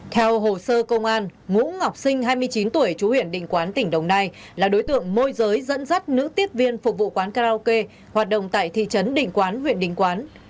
theo hồ sơ công an ngũ ngọc sinh hai mươi chín tuổi chú huyện đình quán tỉnh đồng nai là đối tượng môi giới dẫn dắt nữ tiếp viên phục vụ quán karaoke hoạt động tại thị trấn đình quán huyện đình quán